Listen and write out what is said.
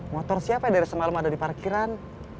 motor siapa dari semalam ada di parkiran